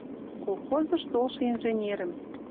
Колхозыш толшы инженерӹм.